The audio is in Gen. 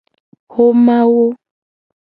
Xomawo.